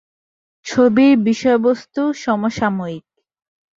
ছবির বিষয়বস্তু সমসাময়িক।